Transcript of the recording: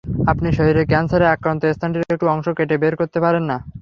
আপনি শরীরের ক্যানসারে আক্রান্ত স্থানটির একটু অংশ কেটে বের করতে পারেন না।